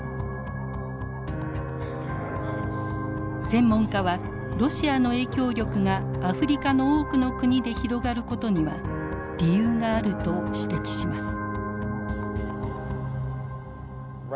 専門家はロシアの影響力がアフリカの多くの国で広がることには理由があると指摘します。